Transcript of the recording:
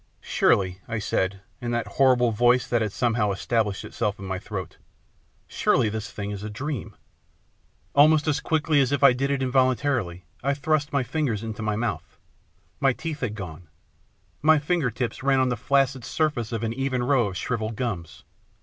" Surely," I said, in that horrible voice that had somehow established itself in my throat, " surely this thing is a dream !" Almost as quickly as if I did it involuntarily, I thrust my fingers into my mouth. My teeth had gone. My finger tips ran on the flaccid surface of an even row of shrivelled gums.